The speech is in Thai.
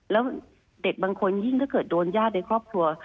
แล้วเด็กบางคนยิ่งถ้าเกิดโดนญาติในครอบครัว